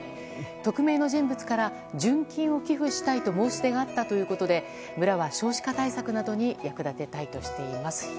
匿名の人物から純金を寄付したいと申し出があったということで村は少子化対策などに役立てたいとしています。